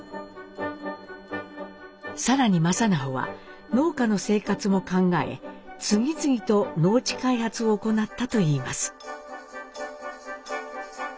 更に正直は農家の生活も考え次々と農地開発を行ったといいます。